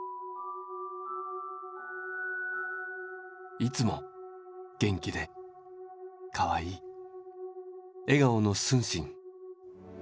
「いつも元気でかわいい笑顔の承信。